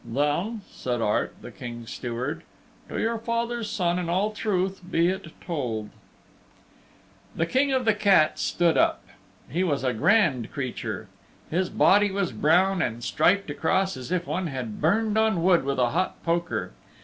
"Then," said Art, the King's Steward, "to your father's Son in all truth be it told" The King of the Cats stood up. He was a grand creature. His body was brown and striped across as if one had burned on wood with a hot poker.